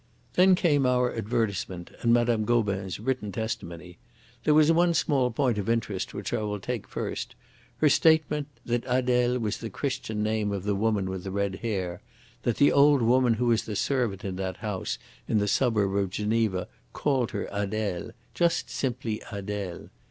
"Then came our advertisement and Mme. Gobin's written testimony. There was one small point of interest which I will take first: her statement that Adele was the Christian name of the woman with the red hair, that the old woman who was the servant in that house in the suburb of Geneva called her Adele, just simply Adele.